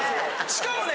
しかもね